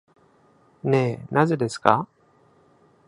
ねえ、何故ですか？